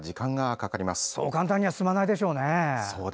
確かに、そう簡単には進まないでしょうね。